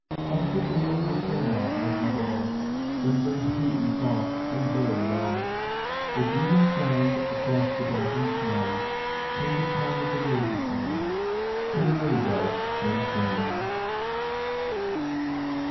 "Hark what the roses sing now, as we go;"Then very sweet and soft, and very low,—A dream of sound across the garden snow,—Came the chime of roses singingTo the lily bell's faint ringing.